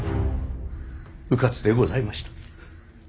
うかつでございました。